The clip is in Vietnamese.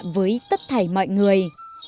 với tất thảy mọi người